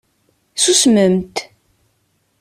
Susmemt!